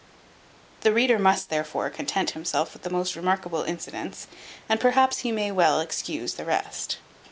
The reader must, therefore, content himself with the most remarkable incidents, and perhaps he may very well excuse the rest.